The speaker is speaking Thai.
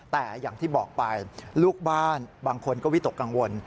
แต่อย่างที่บอกไปลูกบ้านบางคนก็วิตกกังวล